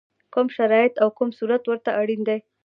کوم شرایط او کوم صورت ورته اړین دی؟